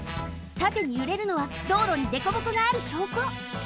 たてにゆれるのは道路にでこぼこがあるしょうこ。